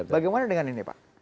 bagaimana dengan ini pak